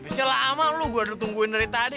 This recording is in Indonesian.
abisnya lama lo gue ada ditungguin dari tadi